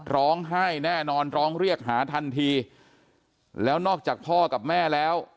ร้องไห้แน่นอนร้องเรียกหาทันทีแล้วนอกจากพ่อกับแม่แล้ว